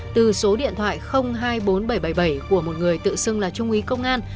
từ số điện thoại hai mươi bốn nghìn bảy trăm bảy mươi bảy của một người tự xưng là trung úy công an